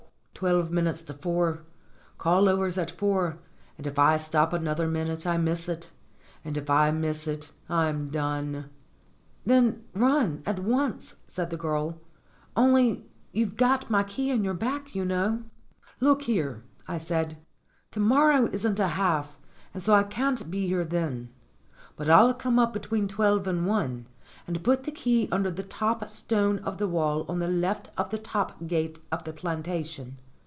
"Twelve minutes to four. Call over's at four, and if I stop another minute I miss it. And if I miss it I'm done." "Then run, at once," said the girl. "Only you've got my key in your in your back, you know." "Look here," I said, "to morro.w isn't a half, and so I can't be here then. But I'll come up between twelve and one, and put the key under the top stone of the wall on the left of the top gate of the plantation.